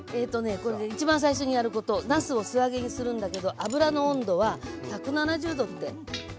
これで一番最初にやることなすを素揚げにするんだけど油の温度は１７０℃って。